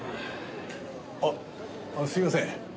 あっすいません。